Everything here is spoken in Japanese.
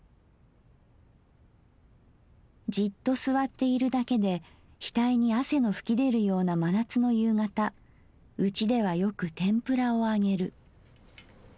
「じっと坐っているだけで額に汗の吹きでるような真夏の夕方うちではよく天ぷらを揚げる。